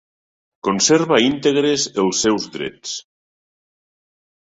Conserva íntegres els seus drets.